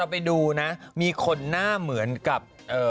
ไปดูนะมีคนหน้าเหมือนกับ